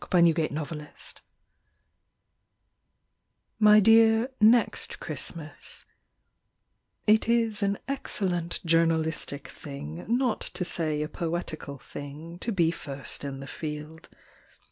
TO NEXT CHRISTMAS My dear Next Christmas, It is an excellent journalistic thing, Not to say a poetical thing, To be first in the field.